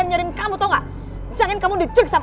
terima kasih guys